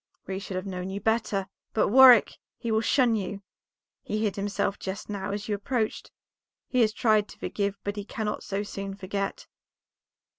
"We should have known you better. But, Warwick, he will shun you; he hid himself just now as you approached; he has tried to forgive, but he cannot so soon forget."